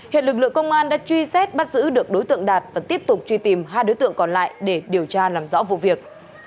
hiện lực lượng công an đã truy xét bắt giữ được đối tượng đạt và tiếp tục truy tìm hai đối tượng còn lại để điều tra làm rõ vụ việc